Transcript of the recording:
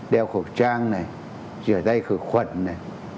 đeo khẩu trang này rửa tay khởi khuẩn này